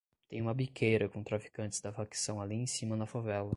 Tem uma biqueira com traficantes da facção ali em cima na favela